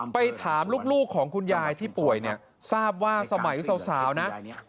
ไปถามลูกของคุณยายที่ป่วยเนี่ยทราบว่าสมัยสาวนะ